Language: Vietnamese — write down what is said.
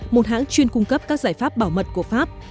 một hãng chuyên cung cấp các giải pháp bảo mật của pháp